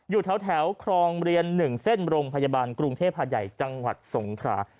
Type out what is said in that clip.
อยู่แถวครองเรียน๑เส้นโรงพยาบาลกรุงเทพหาดใหญ่จังหวัดสงขรา